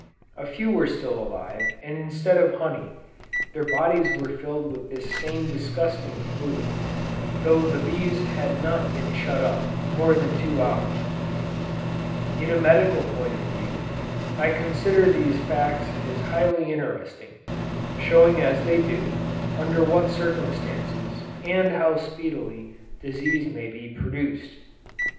A few were still alive, and instead of honey, their bodies were filled with this same disgusting fluid; though the bees had not been shut up, more than two hours. In a medical point of view, I consider these facts as highly interesting; showing as they do, under what circumstances, and how speedily, disease may be produced.